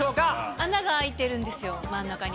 穴が開いてるんですよ、真ん中に。